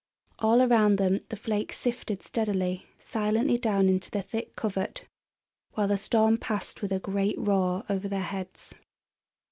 All around them the flakes sifted steadily, silently down into the thick covert, while the storm passed with a great roar over their heads.